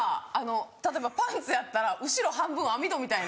例えばパンツやったら後ろ半分網戸みたいな。